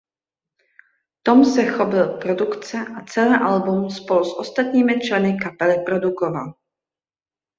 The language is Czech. Tom se chopil produkce a celé album spolu s ostatními členy kapely produkoval.